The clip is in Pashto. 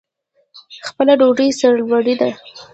خپله ډوډۍ سرلوړي ده.